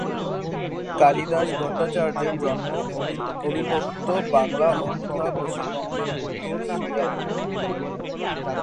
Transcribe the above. কালিদাস ভট্টাচার্যের জন্ম অবিভক্ত বাংলার অধুনা পশ্চিমবঙ্গের হুগলির শ্রীরামপুরে।